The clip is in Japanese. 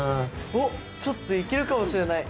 おっちょっといけるかもしれない！